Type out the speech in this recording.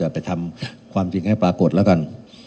ไปทำความจริงให้ปรากฏแล้วกัน